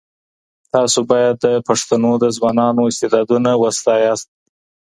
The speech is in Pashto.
تاسو باید د پښتنو د ځوانانو استعدادونه وستایئ.